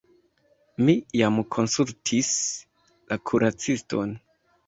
Mi jam konsultis la kuraciston.